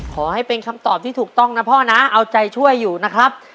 ขอให้เป็นคำตอบที่ถูกต้องนะพ่อนะเอาใจช่วยอยู่นะครับ